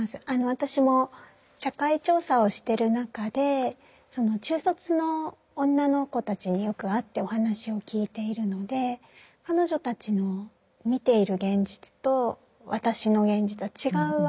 私も社会調査をしてる中で中卒の女の子たちによく会ってお話を聞いているので彼女たちの見ている現実と私の現実は違うわけなんです。